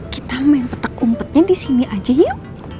kita main petak umpetnya disini aja yuk